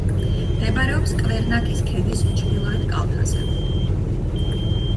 მდებარეობს კვერნაქის ქედის ჩრდილოეთ კალთაზე.